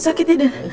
sakit ya den